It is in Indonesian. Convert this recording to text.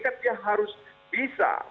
kan dia harus bisa